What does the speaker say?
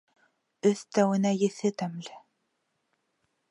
Өҫтәүенә, еҫе тәмле...